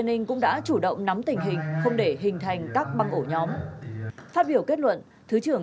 an ninh cũng đã chủ động nắm tình hình không để hình thành các băng ổ nhóm phát biểu kết luận thứ trưởng